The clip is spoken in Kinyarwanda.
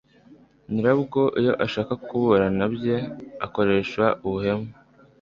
nyirabwo, iyo ashaka kuburana ibye, akoresha ubuhemu